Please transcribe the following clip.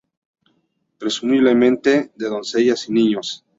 Presumiblemente de doncellas y niños.